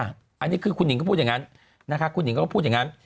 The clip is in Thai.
อันนี้คือคุณหิงก็พูดอย่างนั้นนะคะคุณหิงก็พูดอย่างนั้น